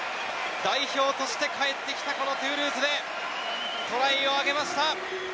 代表として帰ってきたトゥールーズで、トライを挙げました。